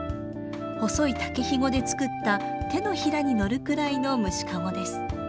細い竹ひごで作った手のひらにのるくらいの虫かごです。